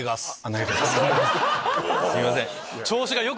すいません。